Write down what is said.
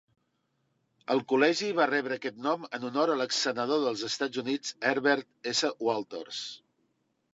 El col·legi va rebre aquest nom en honor a l'exsenador dels Estats Units Herbert S. Walters.